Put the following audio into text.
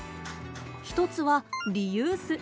一つはリユース。